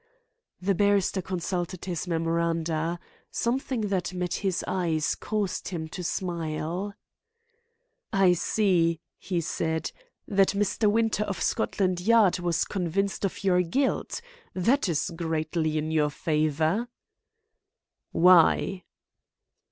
The barrister consulted his memoranda. Something that met his eyes caused him to smile. "I see," he said, "that Mr. Winter, of Scotland Yard, was convinced of your guilt. That is greatly in your favour." "Why?"